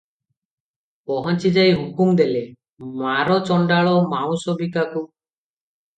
ପହଞ୍ଚିଯାଇ ହୁକୁମ ଦେଲେ, "ମାର ଚଣ୍ଡାଳ ମାଉଁସବିକାକୁ ।"